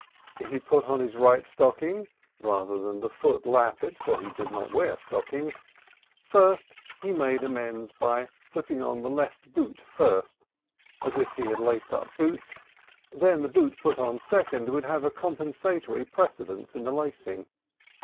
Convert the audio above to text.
If he put on his right stocking (or rather foot lappet, for he did not wear stockings) first, he made amends by putting on the left boot first, and if he had lace up boots, then the boot put on second would have a compensatory precedence in the lacing.